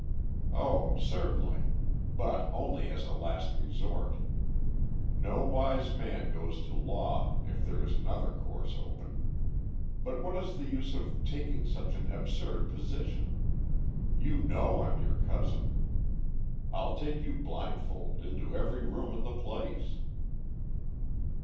"Oh, certainly. But only as a last resort. No wise man goes to law if there is another course open. But what is the use of taking such an absurd position? You know I'm your cousin. I'll take you blindfold into every room in the place."